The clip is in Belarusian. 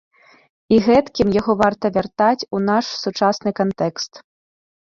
І гэткім яго варта вяртаць у наш сучасны кантэкст.